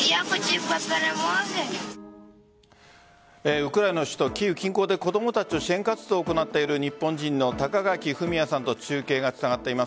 ウクライナの首都キーウ近郊で子供たちの支援活動を行っている日本人の高垣典哉さんと中継がつながっています。